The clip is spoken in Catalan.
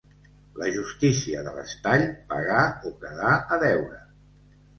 La justícia de l'Estall: pagar o quedar a deure.